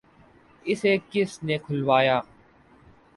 ‘ اسے کس نے کھلوایا؟